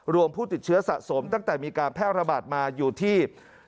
ผู้ติดเชื้อสะสมตั้งแต่มีการแพร่ระบาดมาอยู่ที่